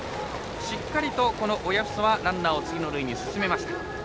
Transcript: しっかりと親富祖はランナーを次の塁に進めました。